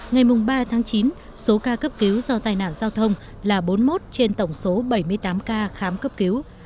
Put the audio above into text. ngày ba tháng chín số ca cấp cứu do tai nạn giao thông là bốn mươi một trên tổng số bảy mươi tám ca khám cấp cứu